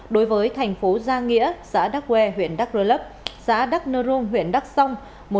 đối với thành phố gia nghĩa xã đắk quê huyện đắk rơ lấp xã đắk nơ rung huyện đắk song